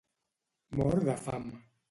Mort de fam